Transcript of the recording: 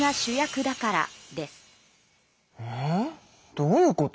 どういうこと？